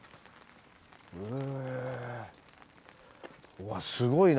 うわすごいな。